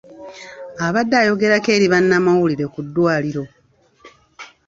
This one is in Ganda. Abadde ayogerako eri bannamawulire ku ddwaliro.